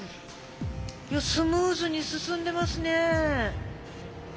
スムーズに進んでますね。